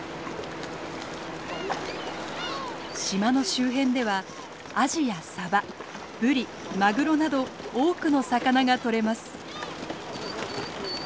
島の周辺ではアジやサバブリマグロなど多くの魚が取れます。